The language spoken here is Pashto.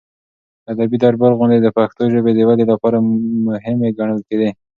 د ادبي دربار غونډې د پښتو ژبې د ودې لپاره مهمې ګڼل کېدې.